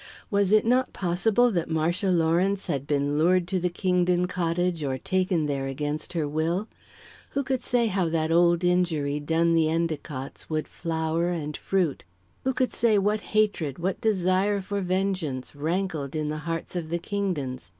Was it not possible that Marcia Lawrence had been lured to the Kingdon cottage or taken there against her will? Who could say how that old injury done the Endicotts would flower and fruit? Who could say what hatred, what desire for vengeance, rankled in the hearts of the Kingdons?